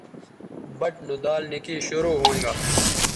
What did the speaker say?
بَٹ نو دال نِکئ شروع ھوینگا